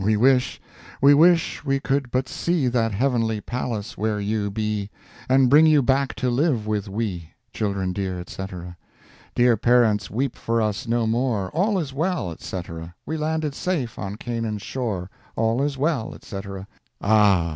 We wish, we wish we could but see That heavenly palace where you be, And bring you back to live with we, Children dear, &c. Dear parents weep for us no more, All is well, &c. We landed safe on Canaan's shore, All is well, &c. Ah!